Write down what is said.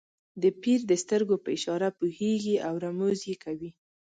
د پیر د سترګو په اشاره پوهېږي او رموز یې کوي.